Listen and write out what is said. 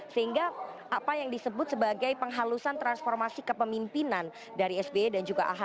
sehingga apa yang disebut sebagai penghalusan transformasi kepemimpinan dari sby dan juga dari dpp partai demokrat